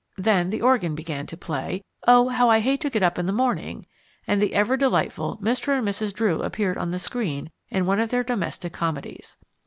Then the organ began to play "O How I Hate To Get Up in the Morning" and the ever delightful Mr. and Mrs. Drew appeared on the screen in one of their domestic comedies.